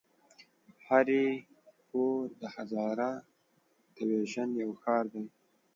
هري پور د هزاره ډويژن يو ښار دی.